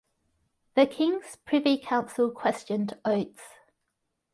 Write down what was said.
The King's Privy Council questioned Oates.